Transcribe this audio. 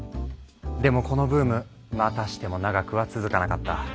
でもこのブームまたしても長くは続かなかった。